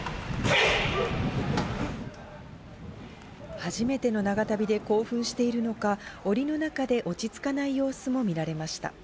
初めての長旅で興奮しているのか、オリの中で落ち着かない様子も見られました。